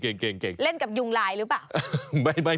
เก่งเล่นกับยุงลายหรือเปล่า